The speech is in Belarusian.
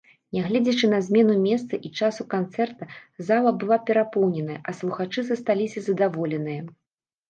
Нягледзячы на змену месца і часу канцэрта, зала была перапоўненая, а слухачы засталіся задаволеныя.